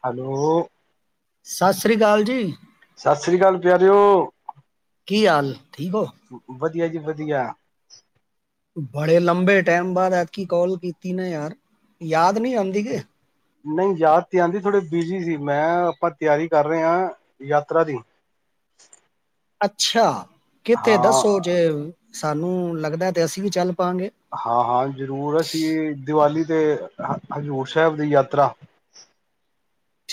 Hello ਸਤਿ ਸ੍ਰੀ ਅਕਾਲ ਜੀ ਸਤਿ ਸ਼੍ਰੀ ਅਕਾਲ ਪਿਆਰਿਓ ਕੀ ਹਾਲ ਠੀਕ ਹੋ ਵਧੀਆ ਜੀ ਵਧੀਆ ਬੜੇ ਲੰਬੇ ਟਾਈਮ ਬਾਅਦ ਐਤਕੀ ਕਾਲ ਕੀਤੀ ਨਾ ਯਾਰ ਯਾਦ ਨਹੀਂੀ ਆਉਂਦੀ ਕਿ ਨਹੀਂ ਯਾਰ ਤੇ ਆਦੀ ਥੋੜ੍ਹੀ ਬਿਜੀੀ ਸੀ ਮੈਂ ਆਪਾਂ ਤਿਆਰੀ ਕਰ ਰਹੇ ਹਾਂ ਯਾਤਰਾ ਦੀ ਅੱਛਾ ਕਿੱਥੇ ਹਾਂ ਦੱਸੋ ਜੇ ਸਾਨੂੰ ਲੱਗਦਾ ਤੇ ਅਸੀਂ ਵੀ ਚੱਲ ਪਾਂਗੇ ਹਾਂ ਹਾਂ ਜ਼ਰੂਰ ਅਸੀਂ ਦੀਵਾਲੀ ਤੇ ਹਜ਼ੂਰ ਸਾਹਿਬ ਦੀ ਯਾਤਰਾ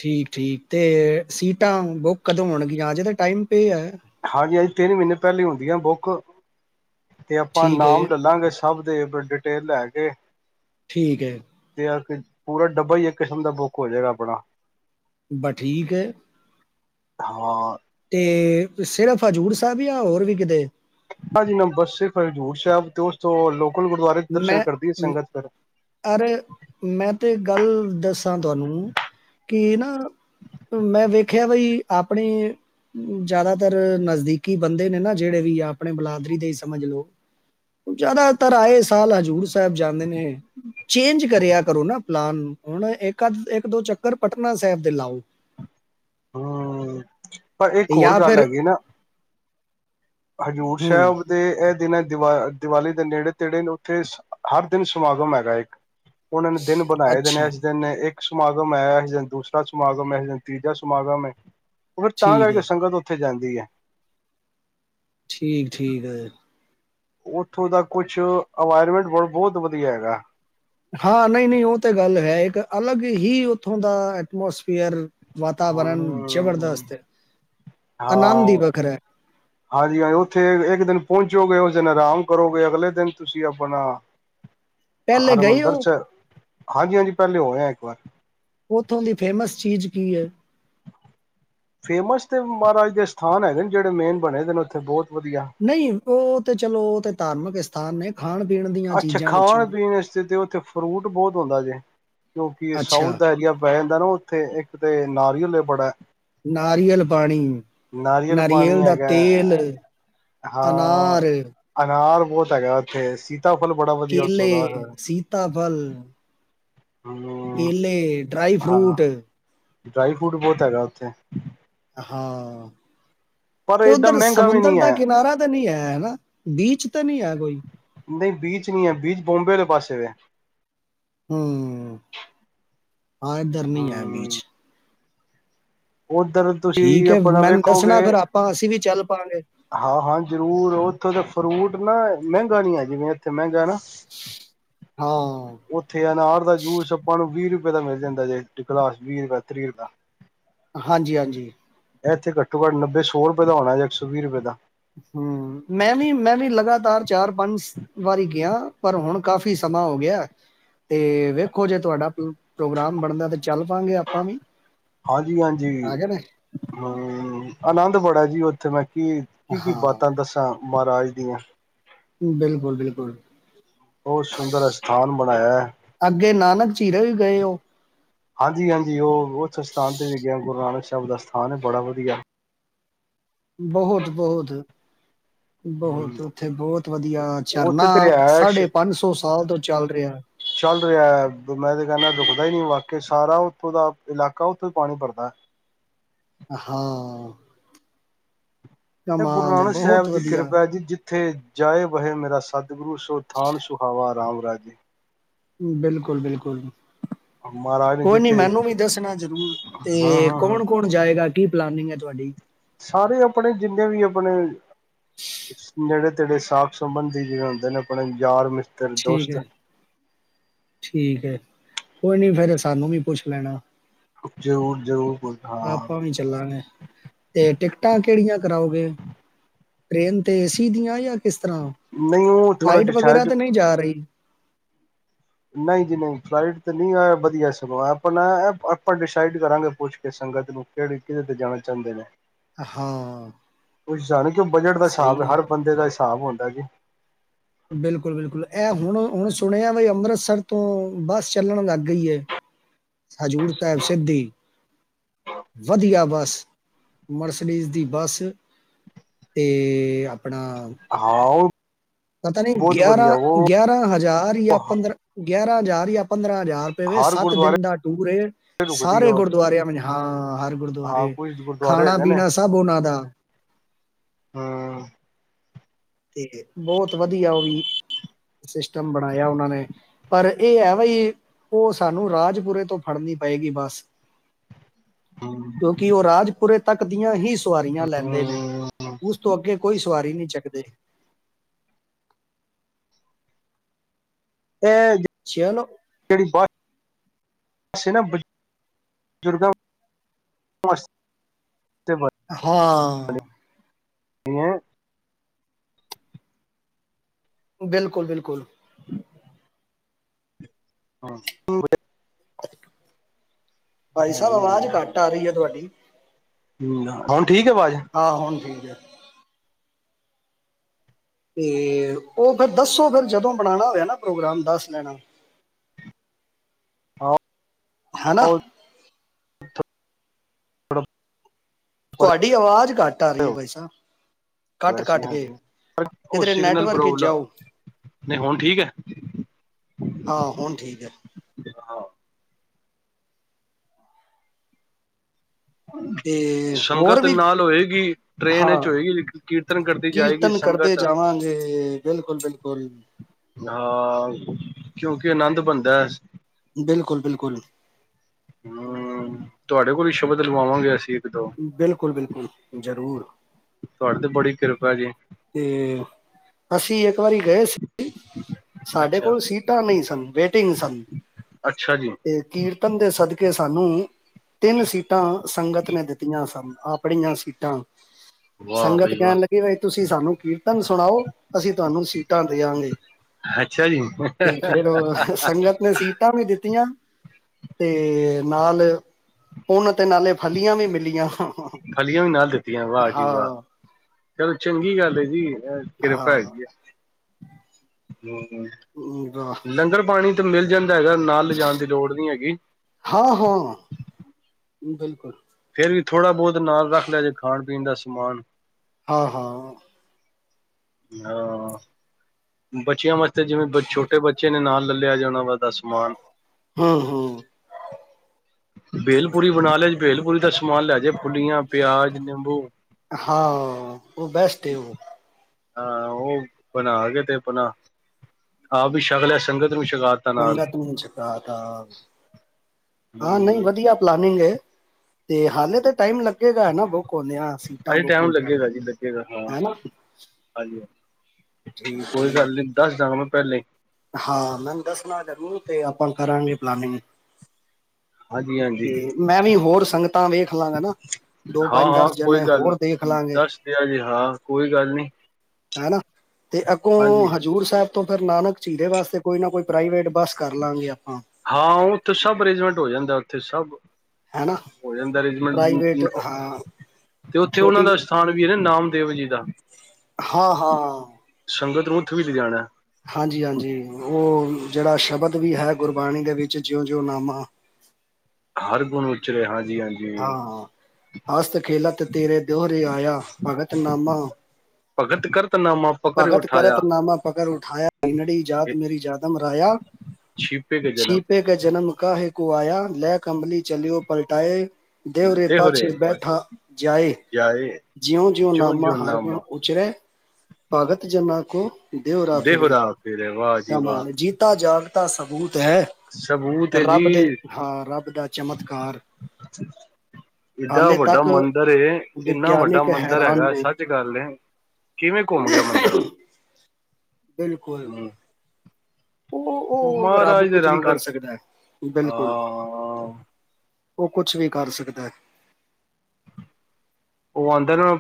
ਠੀਕ ਠੀਕ ਤੇ ਸੀਟਾਂ ਬੁੱਕ ਕਦੋਂ ਹੋਣਗੀਆਂ ਜਿਦਾ ਟਾਈਮ ਪੇ ਹੈ ਹਾਂਜੀ ਹਾਂਜੀ ਤਿੰਨ ਮਹੀਨੇ ਪਹਿਲੇਾਂ ਹੁੰਦੀ ਆ ਬੁੱਕ ਤੇ ਆਪਾਂ ਠੀਕ ਹੈ ਨਾਮ ਲਲਾਂਗੇ ਸਭ ਦੇ ਡਿਟੇਲ ਲੈ ਕੇ ਠੀਕ ਹੈ। ਤੇ ਪੂਰਾ ਡੱਬਾ ਹੀ ਇੱਕ ਕਿਸਮ ਦਾ ਬੁੱਕ ਹੋ ਜਾਏਗਾ ਆਪਣਾ ਬਸ ਠੀਕ ਹੇ। ਹਾਂ ਤੇ ਸਿਰਫ ਹਜ਼ੂੜ ਸਾਹਿਬ ਜਾਂ ਹੋਰ ਵੀ ਕਿਤੇ ਹਾਂਜੀ ਨੰਬਰ ਸੇਖ ਹਜ਼ੂਰ ਸਾਹਿਬ ਤੇ ਉਸ ਤੋਂ ਗੁਰਦੁਆਰੇ ਦਰਸ਼ਨ ਮੈਂ ਕਰਦੀ ਹੈ ਸੰਗਤ ਫਿਰ ਯਰੇ ਮੈਂ ਤੇ ਗੱਲ ਦੱਸਾਂ ਤੁਹਾਨੂੰ ਕਿ ਨਾ ਮੈਂ ਵੇਖਿਆ ਬਈ ਆਪਣੇ ਜਿਆਦਾਤਰ ਨਜ਼ਦੀਕੀ ਬੰਦੇ ਨੇ ਨਾ ਜਿਹੜੇ ਵੀ ਆ ਆਪਣੇ ਬਲਾਦਰੀ ਦੇ ਹੀ ਸਮਝ ਲੋਓ ਜਿਆਦਾਤਰ ਆਏ ਸਾਹ ਹਜ਼ੂਰ ਸਾਹਿਬ ਜਾਂਦੇ ਨੇ ਚੇਂਜ ਕਰਿਆ ਕਰੋ ਨਾ ਪਲਾਨ ਹੁਣ ਇੱਕ ਅੱ ਇੱਕ ਦੋ ਚੱਕਰ ਪਟਨਾ ਸਾਹਿਬ ਦੇ ਲਾਓ ਹੂ ਪਰ ਇੱਕ ਹੋਰ ਜਾਂ ਗੱਲ ਫਿਰ ਹੈਗੀ ਨਾ ਹਜ਼ੂਰ ਹੂੰ, ਸਾਹਿਬ ਦੇ ਦਿਨ ਦੀਵ ਦੀਵਾਲੀ ਦੇ ਨੇੜੇ ਤੇੜੇ ਨੇ ਉੱਥੇ ਹਰ ਦਿਨ ਸਮਾਗਮ ਹੈਗਾ ਇੱਕ ਉਹਨਾਂ ਨੇ ਦਿਨ ਬਣਾਏ ਦੇ ਨੇ ਅੱਛਾ ਇਸ ਦਿਨ ਇੱਕ ਸਮਾਗਮ ਹੈ। ਇਸ ਦਿਨ ਦੂਸਰਾ ਸਮਾਗਮ ਹੈ। ਇਸ ਦਿਨ ਤੀਜਾ ਸਮਾਗਮ ਹੈ। ਉਹ ਫਿਰ ਤਾਂ ਠੀਕ ਕਰਕੇ ਹੈ, ਸੰਗਤ ਉੱਥੇ ਜਾਂਦੀ ਵਧੀਆ ਠੀਕ ਠੀਕ ਆ ਉੱਥੋਂ ਦਾ ਕੁਛ ਇਨਵਾਇਰਮੈਂਟ ਬ ਬਹੁਤ ਵਧੀਆ ਹੈਗਾ। ਹਾਂ, ਨਹੀਂ-ਨਹੀਂ ਉਹ ਤੇ ਗੱਲ ਹੈ ਇੱਕ ਅਲੱਗ ਹੀ ਉੱਥੋਂ ਦਾ ਐਟਮੋਸ ਹ ਹੈ। ਹਾਂ ਆਨੰਦ ਹੀ ਵੱਖਰਾ ਹੈ ਹਾਂਜੀ ਹਾਂਜੀ ਉੱਥੇ ਇੱਕ ਦਿਨ ਪਹੁੰਚੋਗੇਏ ਦਿਨ ਆਰਾਮ ਕਰੋਗੇ ਅਗਲੇ ਦਿਨ ਤੁਸੀਂ ਆਪਣਾ ਪਹਿਲੇ ਗਏ ਹਰਮਦਰ ਹੋ ਚ ਹਾਂਜੀ ਹਾਂਜੀ ਪਹਿਲੇ ਹੋਏ ਆ ਇੱਕ ਵਾਰ ਉੱਥੋਂ ਦੀ ਫੇਮਸ ਚੀਜ਼ ਕੀ ਹੈ। ਫੇਮਸ ਤੇ ਮਹਾਰਾਜ ਦੇ ਅਸਥਾਨ ਹੈਗੇ ਨੇ ਜਿਹੜੇ ਮੇਨ ਬਣੇ ਦੇ ਉੱਥੇ ਬਹੁਤ ਵਧੀਆ ਨਹੀਂ ਉਹ ਤੇ ਚਲੋ ਉਹ ਤੇ ਧਾਰਮਿਕ ਸਥਾਨ ਨੇ ਖਾਣ ਪੀਣ ਦੀਆਂ ਅੱਛਾ ਚੀਜ਼ਾਂ ਖਾਣ ਵਿੱਚੋਂ ਪੀਣ ਤੇ ਥੇ ਫਰੂਟ ਬਹੁਤ ਹੁੰਦਾ ਜੇ ਕਿਉਂਕਿ ਇਹ ਸਾਊਥ ਅੱਛਾ ਦਾ ਐਰੀਆ ਪੈਲ ਦਾ ਨਾ ਉੱਥੇ ਇੱਕ ਤੇ ਨਾਰੀਅਲ ਬੜਾ ਨਾਰੀਅਲ ਪਾਣੀ ਨਾਰੀਅਲ ਪਾਣੀ ਦਾ ਹੈਗਾ ਤੇਲ ਹਾਂ ਅਨਾਰ ਅਨਾਰ ਬਹੁਤ ਹੈਗਾ ਉੱਥੇ ਸੀਤਾਫਲ ਬੜਾ ਵਧੀਆ ਉੱਥੋਂ ਕੇਲੇ ਦਾ ਸੀਤਾਬਲ ਹਮ ਕੇਲੇ ਡਰਾਈ ਹਾਂ ਫਰੂਟ ਡਰਾਈ ਫਰੂਟ ਬਹੁਤ ਹੈਗਾ ਉੱਥੇ ਹਾਂ ਪਰ ਤੇ ਏਡਾ ਉੱਧਰ ਮਹਿੰਗਾ ਵੀ ਸਮੁੰਦਰ ਨਹੀਂ ਦਾ ਹੈ ਕਿਨਾਰਾ ਤਾਂ ਨਹੀਂ ਹੈ ਨਾ ਬੀਚ ਤਾਂ ਨਹੀਂ ਹੈ ਕੋਈ ਨਹੀਂ ਬੀਚ ਨਹੀਂ ਹੈ ਬੀਚ ਬੋਂਬੇ ਵਾਲੇ ਪਾਸੇ ਵੇ ਹਮ ਆ ਇਧਰ ਨਹੀਂ ਆਏ ਹਮ ਬੀਚ ਉੱਧਰ ਤੁਸੀਂ ਠੀਕ ਹੈ ਆਪਣਾ ਮੈਨੂੰ ਵੇਖੋਗੇ ਦੱਸਣਾ ਫਿਰ ਆਪਾਂ ਅਸੀਂ ਵੀ ਚੱਲ ਪਾਂਗੇ ਹਾਂ ਹਾਂ ਜ਼ਰੂਰ ਉੱਥੋਂ ਤਾਂ ਫਰੂਟ ਨਾ ਮਹਿੰਗਾ ਨਹੀਂ ਹੈ ਜਿਵੇਂ ਇੱਥੇ ਮਹਿੰਗਾ ਨਾ ਹਾਂ ਉੱਥੇ ਆ ਅਨਾਰ ਦਾ ਜੂਸ ਆਪਾਂ ਨੂੰ ਵੀਹ ਰੁਪਏ [unintelligible] ਹਾਂਜੀ ਹਾਂਜੀ ਇਹ ਇਥੇੱਟੋ ਘੱਟ ਨੱਬ ਸੌ ਰੁਪਏ ਹੋਣਾ ਜਾਂ ਇੱਕ ਸੌ ਵੀਹ ਰੁਪਏ ਦਾ ਹਮ ਮੈਂ ਵੀ ਮੈਂ ਵੀ ਲਗਾਤਾਰ ਚਾਰ ਪੰਜ ਵਾਰੀ ਗਿਆ ਪਰ ਹੁਣ ਕਾਫ਼ੀ ਸਮਾਂ ਹੋ ਗਿਆ ਤੇ ਵੇਖੋ ਜੇ ਤੁਹਾਡਾ ਪ੍ਰੋਗਰਾਮ ਬਣਦਾ ਤੇ ਚੱਲ ਪਾਂਗੇ ਆਪਾਂ ਵੀ ਹਾਂਜੀ ਆ ਹਾਂਜੀ ਗਏ ਨੇ ਅ ਆਨੰਦ ਬੜਾ ਜੀ ਉੱਥੇ ਮੈਂ ਕੀ ਕੀ ਕੀ ਹਾਂ ਬਾਤਾਂ ਦੱਸਾਂ ਮਹਾਰਾਜ ਦੀਆਂ ਬਿਲਕੁਲ ਬਿਲਕੁਲ ਬਹੁਤ ਸੁੰਦਰ ਅਸਥਾਨ ਬਣਾਇਆ ਹੈ ਅੱਗੇ ਨਾਨਕ ਚੀਰੇ ਵੀ ਗਏ ਉਹ ਹਾਂਜੀ ਹਾਂਜੀ ਉਹ ਉਸ ਸਥਾਨ ਤੇ ਵੀ ਗਿਆ ਗੁਰੂ ਨਾਨਕ ਸਾਹਿਬ ਦਾ ਸਥਾਨ ਹੈ ਬੜਾ ਵਧੀਆ ਬਹੁਤ ਬਹੁਤ ਬਹੁਤ ਹਮ ਉਓਥੇ ਬਹੁਤ ਵਧੀਆ ਉੱਥੇ ਝਰਨਾ ਤੇ ਰਿਹਾਇਸ਼ ਸਾਢੇ ਪੰਜ ਸੌ ਸਾਲ ਤੋਂ ਚੱਲ ਰਿਹਾ ਪਤਾ ਹੀ ਨੀ ਵਾਕਈ ਸਾਰਾ ਉਥੋਂ ਦਾ ਇਲਾਕਾ ਉਥੋਂ ਪਾਣੀ ਭਰਦਾ ਹੈ ਹਾਂ ਇਹ ਗੁਰੂ ਕਮਾਲ ਹੈ ਨਾਨਕ ਸਾਹਿਬ ਬਹੁਤ ਦੀ ਵਧੀਆ ਕਿਰਪਾ ਜੀ ਜਿੱਥ ਉੱਥੇ ਜਾਏ ਬਹੇ ਮੇਰਾ ਸਾਧ [unintelligible] ਸੋ ਥਾਨ ਸੁਹਾਵਾ ਰਾਮ- ਰਾਜ। ਬਿਲਕੁਲ -ਬਿਲਕੁਲ। ਮਹਾਰਾਜ ਨੇ ਕੋਈ ਨੀ ਜਿੱਥੇ ਮੈਨੂੰ ਵੀ ਦੱਸਣਾ ਜ਼ਰੂਰ, ਹਾਂ ਤੇ ਹਾਂ ਹਾਂ ਕੌਣ ਕੌਣ ਜਾਏਗਾ ਕੀ ਪਲਾਨਿੰਗ ਹੈ? ਤੁਹਾਡੀ ਸਾਰੇ ਆਪਣੇ ਜਿੰਨੇ ਵੀ ਆਪਣੇ, ਨੇੜੇ-ਤੇੜੇ ਸਾਖ-ਸੰਬੰਧੀ ਜਿਹੜੇ ਹੁੰਦੇ ਨੇ ਆਪਣੇ ਯਾਰ-ਮਿਤ ਠੀਕ ਹੈ। ਠੀਕ ਹੈ ਕੋਈ ਨੀ ਫੇਰ ਸਾਨੂੰ ਵੀ ਪੁੱਛ ਲੈਣਾ ਜਰੂਰ-ਜਰੂਰ। ਆਪਾਂ ਵੀ ਚੱਲਾਂਗੇ, ਤੇ ਟਿਕਟਾਂ ਕੇੜੀਆਂ ਕਰਾਓਗੇ। ਟ੍ਰਰੇਨ ਤੇ ਏਸੀ ਦੀਆਂ ਯਾਂ ਕਿਸ ਤਰ੍ਹਾਂ? ਨਹੀਂ ਉਹ ਥੋੜਾ ਫਲਾਈਟ ਵਗੈਰਾ ਡਿਸਾਈਡ ਤੇ ਨਹੀਂ ਜਾ ਰਹੀ। ਨਹੀਂ ਜੀ ਨਹੀਂ, ਫਲਾਈਟ ਤੇ ਨਹੀਂ ਐ ਵਧੀਆ ਸਗੋਂ, ਆਪਾਂ ਨਾ ਏ ਆਪਾਂ ਡਿਸਾਈਡ ਕਰਾਂਗੇ ਪੁੱਛ ਕੇ ਸੰਗਤ ਨੂੰ, ਕਿਹੜੇ ਕਿਹਦੇ ਤੇ ਜਾਣਾ ਚਾਹੁੰਦੇ ਨੇ। ਹਾਂ ਪੁੱਛਦਾ ਨੇ ਕਿਉਕਿ ਬਜਟ ਦਾ ਹਿਸਾਬ ਸਹੀ ਹੈ ਹਰ ਬੰਦੇ ਦਾ ਹਿਸਾਬ ਹੁੰਦਾ ਏ ਜੀ। ਬਿਲਕੁਲ-ਬਿਲਕੁਲ, ਇਹ ਹੁਣ-ਹੁਣ ਸੁਣਿਆ, ਬਈ ਅੰਮ੍ਰਿਤਸਰ ਤੋਂ ਬੱਸ ਚੱਲਣ ਲੱਗ ਗਈ ਐ। ਹਜ਼ੂਰ ਸਾਹਿਬ ਸਿੱਧੀ, ਵਧੀਆ ਬਸ। ਮਰਸਡੀਜ਼ ਦੀ ਬੱਸ, ਤੇ ਆਪਣਾ ਹਾਂ ਉਹ ਪਤਾ ਨਹੀਂ, ਬਹੁਤ ਵਧੀਆ ਉਹ ਗਿਆਰਾਂ-ਗਿਆਰਾਂ ਹਜ਼ਾਰ ਯਾਂ ਪੰਦਰਾਂ ਗਿਆਰਾਂ ਹਜ਼ਾਰ ਜਾਂ ਪੰਦਰਾਂ ਹਜਾਰ ਰੁਪਏ ਵੇ ਹਰ ਸੱਤ ਦਿਨ ਗੁਰਦੁਆਰੇ ਦਾ ਟੂਰ ਏ, ਰੁਕਦੀ ਆ ਸਾਰੇ ਉਹ ਗੁਰਦੁਆਰਿਆਂ ਮੇ ਹਾਂ। ਹਰ ਹਾਂ ਗੁਰਦੁਆਰੇ ਕੁਛ ਗੁਰਦੁਆਰੇ ਹੈਗੇ ਖਾਣਾ-ਪੀਣਾ ਸਭ ਉਹਨਾਂ ਦਾ। ਹੰਮ। ਤੇ ਬਹੁਤ ਵਧੀਆ ਉਹ ਵੀ, ਸਿਸਟਮ ਬਣਾਇਆ ਉਹਨਾਂ ਨੇ, ਪਰ ਇਹ ਹੈ ਬਈ ਉਹ ਸਾਨੂੰ ਰਾਜਪੁਰੇ ਤੋਂ ਫੜਨੀ ਪਏਗੀ ਬੱਸ। ਹੂੰ ਕਿਉਂਕਿ ਉਹ ਰਾਜਪੁਰੇ ਤੱਕ ਦੀਆਂ ਹੀ ਸਵਾਰੀਆਂ ਲੈਂਦੇ ਨੇ, ਉਸ ਤੋਂ ਅੱਗੇ ਕੋਈ ਸਵਾਰੀ ਨਹੀਂ ਚੱਕਦੇ। ਇਹ ਚਲੋ ਜਿ-ਜਿਹੜੀ ਬੱਸ ਵੈਸੇ ਨਾ ਬਜ਼ੁਰਗਾਂ ਵਾਸਤੇ ਵਧੀਆ ਏ। ਹਾਂ। ਹਾਂ। [inaudible] ਬਿਲਕੁਲ-ਬਿਲਕੁਲ। ਹਾਂ, [unintelligible] [unintelligible] ਭਾਈ ਸਾਹਿਬ, ਆਵਾਜ਼ ਘੱਟ ਆ ਰਹੀ ਹੈ ਤੁਹਾਡੀ। ਹੰਮ ਹੁਣ ਠੀਕ ਹੈ ਆਵਾਜ਼ ਹਾਂ, ਹੁਣ ਠੀਕ ਏ। ਤੇ ਉਹ ਫਿਰ ਦੱਸੋ ਫਿਰ ਜਦੋਂ ਬਣਾਉਣਾ ਹੋਇਆ ਨਾ ਪ੍ਰੋਗਰਾਮ ਦੱਸ ਦੇਣਾ। ਹਾਂ ਹੈਨਾ। ਉਹ [unintelligible] ਪਰ ਹੋ ਤੁਹਾਡੀ ਆਵਾਜ਼ ਘੱਟ ਆ ਰਹੀ ਹੈ ਭਾਈ ਸਾਬ ਗਿਆ ਸੀ ਕੱਟ-ਕੱਟ ਕੇ ਹਾਂਜੀ ਉਹ ਕਿਧਰੇ ਸਿਗਨਲ ਨੈਟਵਰਕ ਏਚ ਪ੍ਰੋਬਲਮ ਜਾਓ, ਨਹੀਂ ਹੁਣ ਠੀਕ ਹੈ ਹਾਂ ਹੁਣ ਠੀਕ ਹੈ। ਹਾਂ। ਤੇ ਹੋਰ ਸੰਗਤ ਵੀ ਨਾਲ ਹੋਏਗੀ ਹਾਂ ਟ੍ਰੇਨ ਚ ਹੋਏਗੀ ਕੀਰਤਨ ਕਰਦੀ ਜਾਏਗੀ ਕੀਰਤਨ ਕਰਦੇ ਸੰਗਤ‌ ਜਾਵਾਂਗੇ ਬਿਲਕੁਲ ਬਿਲਕੁਲ ਹਾਂ। ਕਿਉਂਕਿ ਆਨੰਦ ਬਣਦਾ। ਬਿਲਕੁਲ-ਬਿਲਕੁਲ। ਹੂੰ, ਤੁਵਾਡੇ ਕੋਲ ਈ ਸ਼ਬਦ ਲਵਾਵਾਂਗੇ ਅਸੀਂ। ਦੋ ਬਿਲਕੁਲ-ਬਿਲਕੁਲ, ਜ਼ਰੂਰ। ਤੁਹਾਡੇ ਤੇ ਬੜੀ ਕਿਰਪਾ ਜੀ। ਤੇ ਅਸੀਂ ਏਕ ਵਾਰੀ ਗਏ ਸੀ। ਸਾਡੇ ਅੱਛਾ। ਕੋਲ ਸੀਟਾਂ ਨਹੀਂ ਸਨ ਵੇਟਿੰਗ ਸਨ, ਅੱਛਾ ਜੀ, ਤੇ ਕੀਰਤਨ ਦੇ ਸਦਕੇ ਸਾਨੂੰ ਤਿੰਨ ਸੀਟਾਂ ਸੰਗਤ ਨੇ ਦਿੱਤੀਆਂ ਸਨ, ਆਪਣੀਆਂ ਸੀਟਾਂ। ਵਾਹ ਸੰਗਤ ਬਈ ਵਾਹ, ਕੈਣ ਲੱਗੀ ਬਈ ਤੁਸੀਂ ਸਾਨੂੰ ਕੀਰਤਨ ਸੁਣਾਓ ਅਸੀਂ ਤੂਵਾਨੂੰ ਸੀਟਾਂ ਦੇਆਂਗੇਂ। ਅੱਛਾ ਜੀ, ਤੇ ਫੇਰ ਸੰਗਤ ਨੇ ਸੀਟਾਂ ਵੀ ਦਿੱਤੀਆਂ। ਤੇ ਨਾਲ ਪੂਨ ਤੇ ਨਾਲੇ ਫਲੀਆਂ ਵੀ ਮਿਲੀਆਂ। ਫਲੀਆਂ ਵੀ ਨਾਲ ਦਿੱਤੀਆਂ ਵਾਹ ਜੀ ਵਾਹ, ਹਾਂ ਚਲੋ ਚੰਗੀ ਗੱਲ ਏ ਜੀ। ਬਸ ਕਿਰਪਾ ਹਮ, ਹੈਗੀ ਐਂ। ਹੂੰ। ਹੂੰ, ਵਾਹ। ਲੰਗਰ ਪਾਣੀ ਤੇ ਮਿਲ ਜਾਣ ਹੈਗਾ ਨਾਲ ਲੇਜਾਣ ਦੀ ਲੋੜ ਨੀ ਹੈਗੀ। ਹਾਂ ਹਾਂ ਬਿਲਕੁਲ। ਥੋੜ੍ਹਾ ਬੌਤ ਨਾਲ ਰੱਖ ਲਿਆ ਜੇ ਖਾਣ-ਪੀਣ ਦਾ ਸਮਾਨ। ਹਾਂ ਹਾਂ। ਹਾਂ, ਬੱਚਿਆਂ ਵਾਸਤੇ ਜਿਵੇਂ ਛੋਟੇ ਬੱਚੇ ਨੇ ਨਾਲ ਲਲਿਆ ਜੇ ਔਣਾ ਵਾਸ ਹੂੰ-ਹੂੰ ਬੇਲਪੂਰੀ ਬਣਾ ਲਿਆ ਜ ਬੇਲਪੂਰੀ ਦਾ ਸ਼ ਸਮਾਨ ਲੈ ਜੇ ਫੁਲੀਆਂ, ਪਿਆਜ, ਨਿੰਬੂ। ਔ ਬੈਸਟ ਹੈ ਓਹ। ਹਾਂ ਓਹ ਬਣਾ ਕੇ ਤੇ ਅਪਣਾ ਆਪ ਵੀ ਛਕ ਲਿਆ ਸੰਗਤ ਨੂੰ ਛਕਾ ਤਾ ਨਾਲ। ਸੰਗਤ ਨੂੰ ਵੀ ਛੱਕਾ ਤਾਂ। ਹਾਂ ਨਹੀਂ ਹੂੰ ਵਧੀਆ ਪਲਾਨਿੰ ਗੇਂ। ਤੇ ਹਾਲੇ ਤੇ ਟਾਈਮ ਲੱਗੇਗਾ ਨਾ ਬੁੱਕ ਹੋਦਆਂ ਸੀਟਾਂ ਹਾਂਜੀ ਬੁੱਕ ਟਾਈਮ ਹੋੰਦਆਂ। ਲੱਗੇਗਾ ਜੀ ਲੱਗੇਗਾ ਹਾਂ, ਹਾਂਜੀ ਹਾਂਜ ਠੀਕ ਕੋਈ ਠੀਕ ਗੱਲ ਨਹੀਂ ਦੱਸ ਦਾ ਗਾ ਮੈਂ ਪਹਿਲੇ ਈ ਹਾਂ, ਮੈਨੂੰ ਦੱਸਣਾ ਜ਼ਰੂਰ ਤੇ ਆਪਾਂ ਕਰਾਂਗੇ ਪਲਾਨਿੰਗ ਹਾਂਜੀ ਹਾਂਜੀ ਤੇ ਮੈਂ ਵੀ ਹੋਰ ਸੰਗਤਾਂ ਵੇਖ ਲਾਂਗਾ ਨਾ ਦੋ, ਹਾਂ ਪੰਜ, ਹਾਂ ਦਸ ਕੋਈ ਜਣੇ ਗੱਲ ਹੋਰ ਦੇਖ ਨੀ ਲਾਂਗੇ। ਦੱਸ ਦਿਆ ਜੇ ਹਾਂ ਕੋਈ ਗੱਲ ਨੀ ਹੈਨਾ। ਤੇ ਅੱਗੋ ਹਾਂਜੀ ਹਜ਼ੂਰ ਸਾਹਿਬ ਤੋਂ ਫਿਰ ਨਾਨਕ ਝੀਰੇ ਵਾਸਤੇ ਕੋਈ ਨਾ ਕੋਈ ਪ੍ਰਾਈਵੇਟ ਬੱਸ ਕਰ ਲਾਂਗੇ ਆਪਾਂ। ਹਾਂ ਉੱਥੇ ਸਭ ਅਰੇਂਜਮੈਂਟ ਹੋ ਜਾਂਦਾ ਉੱਥੇ ਸਭ ਹੈਨਾ, ਹੋ ਜਾਂਦਾ ਪ੍ਰਾਈਵੇਟ ਅਰੇਂਜਮੈਂਟ ਹਾਂ। ਤੇ ਉੱਥੇ ਉਹਨਾ ਛੋਟੀ ਦਾ ਸਥਾਨ ਵੀ ਹੈ ਨਾ ਨਾਮ ਦੇਵ ਜੀ ਹਾਂ ਹਾਂ ਸੰਗਤ ਉੱਥ ਵੀ ਲੇ ਜਾਣਾ ੳਥੇ ਵੀ ਹੈ ਗੁਰਬਾਣੀ ਦੇ ਵਿੱਚ ਜਿਉਂ ਜਿਉਂ ਨਾਮਾ ਹਰ ਗੁਣ ਉਚਰੇ, ਹਾ ਹਾਂ ਹਾਂ ਹਸਤ ਖੇਲਾ ਤੇ ਤੇਰੇ ਦਿਓਹਰੇ ਆਇਆ ਭਗਤਨਾਮਾ ਭਗਤ ਕਰ ਭਗਤ ਕਰਤਨਾਮਾ ਪਕੜ ਉਠਾਇਆ ਨੜੀ ਜਾਤ ਮੇਰੀ ਜਾਦਮ ਰਾਆ ਛਿਪੇ ਕੇ ਜਨਮ ਛੀਪੇ ਕ ਜਨਮ ਕਾਹੈ ਕੋ ਆਇਆ ਲੈ ਕੰਬਲੀ ਚਲਿਓ ਪਲਟਾਏ ਦੇਵਰੇ ਪਾਛੇ ਬੈਠਾ ਜਾਏ ਜਾਏ ਜਿਉਂ ਜਿਉਂ ਜਿਉ ਨਾਮਾ ਜਿਉ ਹਰਗੁਣ ਉਚਰੇ ਜਮਾ ਕੋ ਦਿਓ ਰਾ ਫਿਰੇ ਦੇਹੁਰਾ ਫੇਰੇ ਵਾਹ ਜੀ ਵਾਹ ਮਨ ਜੀਤਾ ਜਾਵੇ ਤਾਂ ਸਬੂਤ ਹੈ ਸਬੂਤ ਏ ਜੀ, ਰੱਬ ਦੇ ਹਾਂ ਰੱਬ ਦਾ ਚਮਤਕਾਰ ਏਡਾ ਹਾਲੇ ਵੱਡਾ ਤੱਕ ਮੰਦਿਰ ਏ, ਏਨਾ ਵੱਡਾ ਵਿਗਿਆਨਿਕ ਮੰਦਿਰ ਹੈਰਾਨ ਹੈਗਾ। ਨੇ ਸੱਚ ਗੱਲ ਏ, ਕਿਵੇਂ ਘੁਮ ਗਿਆ ਮੰਦਰ ਬਿਲਕੁਲ ਉਹ ਉਹ ਰੱਬ ਮਹਾਰਾਜ ਦੇ ਕੁਝ ਵੀ ਰੰਗ ਕਰ ਹਾਂ, ਸਕਦਾ ਹੈ। ਬਿਲਕੁਲ ਉਹ ਕੁਛ ਵੀ ਕਰ ਸਕਦਾ ਹੈ। ਉਹ ਆਉਂਦਾ ਨਾ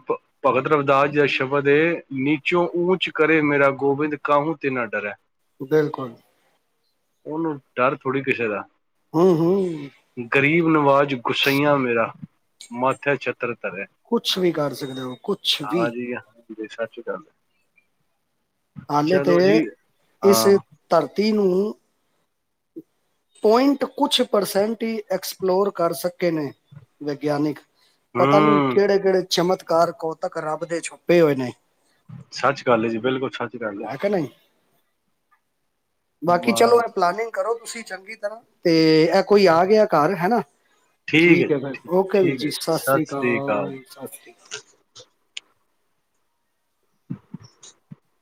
ਭਗਤ ਰਵੀਦਾਸ ਜੀ ਦਾ ਸ਼ਬਦ, ਨੀਚੋਂ ਊਚ ਕਰੇ ਮੇਰਾ ਗੋਬਿੰਦ, ਕਾਹੂੰ ਤੇ ਨਾ ਡਰੈ। ਬਿਲਕੁਲ। ਉਹਨੂੰ ਡਰ ਥੋੜ੍ਹੀ ਕਿਸੇ ਦਾ। ਹੂੰ ਹੂੰ। ਨਵਾਜ਼ ਗੁੱਸਈਆਂ ਮੇਰਾ ਮਾਥੇ ਛੱਤਰ ਕੁਛ ਵੀ ਕਰ ਸਕਦੇ ਓ, ਕੁਛ ਵੀ? ਹਾਂਜੀ ਜੀ ਹਾਂਜੀ ਸਤਿ ਸ਼੍ਰੀ ਅਕਾਲ। ਹੇ ਤੇ ਚਲੋ ਇਸ ਧਰਤੀ ਤੀਨੂੰ [inaudible] ਪੁਆਇੰਟ ਕੁਛ ਪਰਸੈਂਟ ਹੀ ਐਕਸਪਲੋਰ ਕਰ ਸਕੇ ਨੇ, ਵਿਗਿਆਨਿਕ। ਪਤਾ ਨੀ ਹੂੰ, ਕਿਹੜੇ -ਕਿਹੜੇ ਚਮਤਕਾਰ, ਕੌਤਕ, ਰੱਬ ਦੇ ਛੁਪੇ ਹੋਏ ਨੇ। ਸੱਚ ਗੱਲ ਹੈ ਜੀ, ਬਿਲਕੁਲ ਸੱਚ ਗੱਲ ਹੈ। ਕਿ ਨਹੀਂ ਬਾਕੀ ਚਲੋ ਇਹ ਪਲਾਨਿੰਗ ਕਰੋ। ਤੁਸੀਂ ਚੰਗੀ ਤਰ੍ਹਾਂ ਤੇ ਇਹ ਕੋਈ ਆ ਗਿਆ ਘਰ ਹਨਾ ਠੀਕ ਹੈ ਫੇਰ, ਓਕੇ ਵੀਰ ਜੀ ਸਤਿ ਸ੍ਰੀ ਅਕਾਲ ਸਤਿ ਸ਼੍ਰੀ ਅਕਾਲ। [unintelligible]